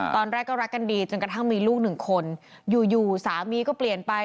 ตอนแรกก็รักกันดีจนกระทั่งมีลูกหนึ่งคนอยู่อยู่สามีก็เปลี่ยนไป